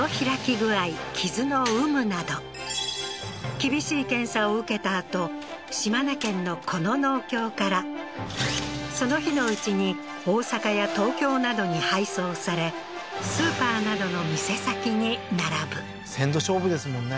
厳しい検査を受けたあと島根県のこの農協からその日のうちに大阪や東京などに配送されスーパーなどの店先に並ぶ鮮度勝負ですもんね